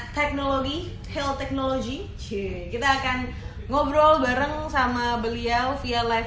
tapi kali ini karena teknologi heel technology kita akan ngobrol bareng sama beliau via live